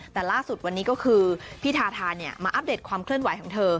แต่ล่าสุดวันนี้ก็คือพี่ทาทามาอัปเดตความเคลื่อนไหวของเธอ